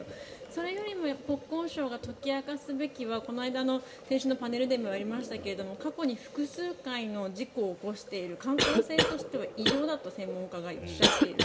それよりも国交省が解き明かすべきはこの間の先週のパネルでもやりましたが過去に複数回の事故を起こしている観光船としては異常だと専門家がおっしゃっている。